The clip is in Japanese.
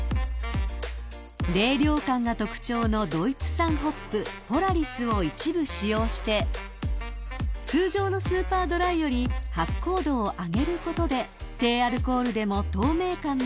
［冷涼感が特徴のドイツ産ホップポラリスを一部使用して通常のスーパードライより発酵度を上げることで低アルコールでも］